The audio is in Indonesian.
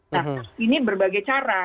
nah ini berbagai cara